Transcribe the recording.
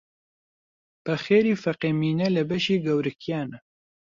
بە خێرێ فەقێ مینە لە بەشی گەورکیانە